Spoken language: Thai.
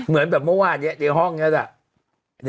เหมือนแบบเมื่อวานนี้ในห้องนี้แหละ